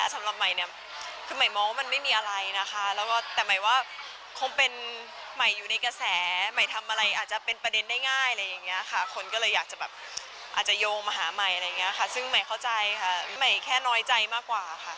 ซึ่งหมายเข้าใจค่ะหมายแค่น้อยใจมากกว่าค่ะ